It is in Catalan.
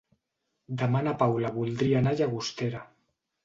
Demà na Paula voldria anar a Llagostera.